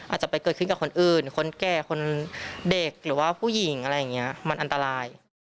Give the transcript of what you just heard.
อาจจะไปเกิดขึ้นกับคนอื่นคนแก่คนเด็กหรือว่าผู้หญิงอะไรอย่างนี้มันอันตราย